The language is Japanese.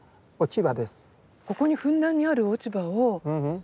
ここにふんだんにある落ち葉を利用して。